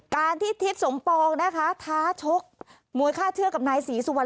การที่ทิศสมปองนะคะท้าชกมวยฆ่าเชือกกับนายศรีสุวรร